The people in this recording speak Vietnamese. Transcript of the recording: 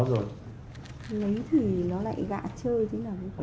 lấy thì nó lại gạ chơi chứ nào